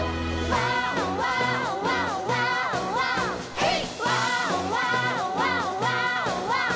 ヘイ！